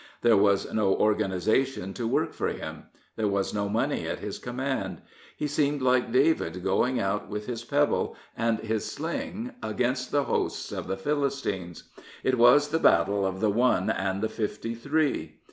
There was no organisation to work for him. There was no money at his command. He seemed like David going out with his penile and his s lir^ against the hosts of the Philistines. It was the battle of the one and the fifty three."'